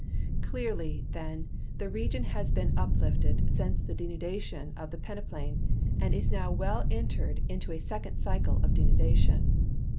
Clearly, then, the region has been uplifted since the denudation of the peneplain and is now well entered in a second cycle of denudation.